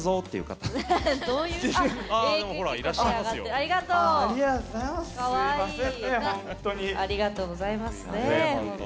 ありがとうございますほんとに。